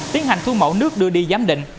tiến hành thu mẫu nước đưa đi giám định